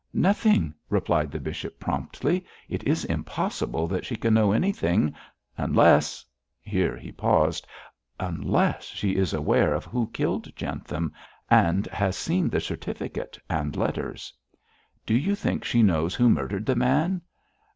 'Nothing!' replied the bishop, promptly; 'it is impossible that she can know anything, unless' here he paused 'unless she is aware of who killed Jentham, and has seen the certificate and letters!' 'Do you think she knows who murdered the man?'